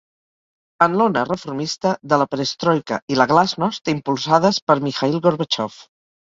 En l'ona reformista de la perestroika i la glàsnost impulsades per Mikhaïl Gorbatxov.